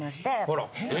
ほら。